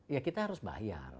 ya kita harus bayar